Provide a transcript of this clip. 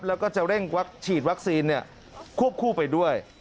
แล้วก็จะเร่งฉีดวัคซีนควบคู่ไปด้วย